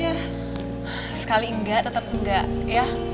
yah sekali ga tetep ga yah